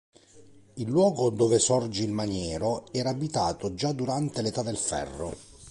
Il luogo dove sorge il maniero era abitato già durante l'età del ferro.